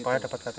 supaya dapat ktp